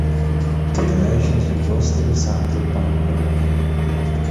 The donations were grossly mishandled by the mayor.